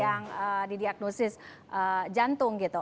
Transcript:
yang didiagnosis jantung gitu